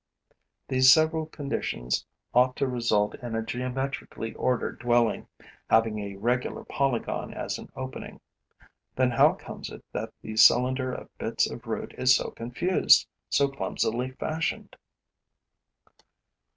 These several conditions ought to result in a geometrically ordered dwelling, having a regular polygon as an opening. Then how comes it that the cylinder of bits of root is so confused, so clumsily fashioned?